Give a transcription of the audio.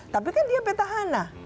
tapi kan dia petahana